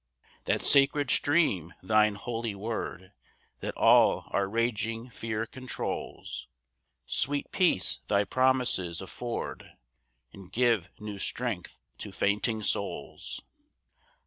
5 That sacred stream, thine holy word, That all our raging fear controls: Sweet peace thy promises afford, And give new strength to fainting souls.